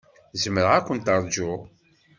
Zemreɣ ad kent-ṛjuɣ.